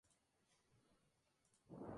Paul Rodgers no participaba.